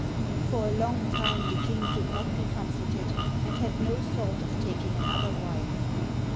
For a long time the King could not be comforted, and had no thought of taking another wife.